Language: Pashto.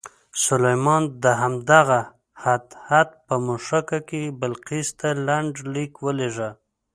سلیمان د همدغه هدهد په مښوکه کې بلقیس ته لنډ لیک ولېږه.